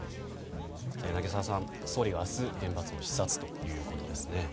柳澤さん、総理が明日原発を視察ということです。